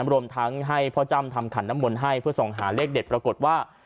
รวมทั้งให้พ่อจ้ำทำขันน้ำมนต์ให้เพื่อส่องหาเลขเด็ดปรากฏว่า